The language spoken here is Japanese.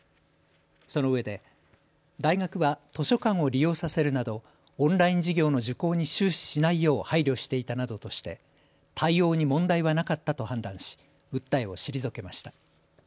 そのうえで大学は図書館を利用させるなどオンライン授業の受講に終始しないよう配慮していたなどとして対応に問題はなかったと判断し訴えを退けました。